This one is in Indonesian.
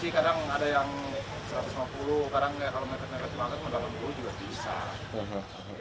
kadang kalau mau naik ke satu ratus lima puluh juga bisa